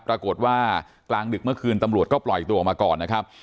ปรากฏว่ากลางดึกเมื่อคืนตำรวจก็ปล่อยตัวออกมาก่อนนะครับ